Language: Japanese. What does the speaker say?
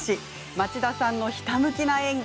町田さんの、ひたむきな演技